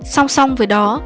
song song với đó